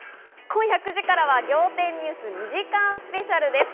今夜９時からは『仰天ニュース』２時間スペシャルです。